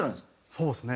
そうですね。